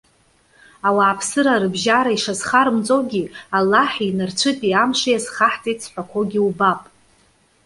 Ауааԥсыра рыбжьара, ишазхарымҵогьы, Аллаҳи нарцәытәи амши азхаҳҵеит зҳәақәогьы убап.